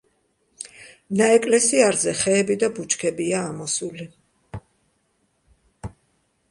ნაეკლესიარზე ხეები და ბუჩქებია ამოსული.